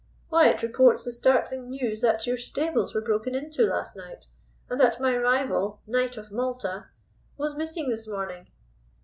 Why, it reports the startling news that your stables were broken into last night, and that my rival, Knight of Malta, was missing this morning."